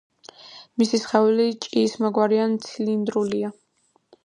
მათი სხეული ჭიისმაგვარი ან ცილინდრულია.